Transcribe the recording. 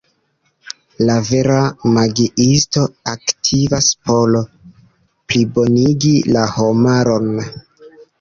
La vera magiisto aktivas por plibonigi la homaron.